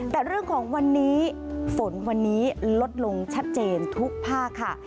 แต่เรื่องของวันนี้ฝนวันนี้ลดลงชัดเจนทุกภาคค่ะ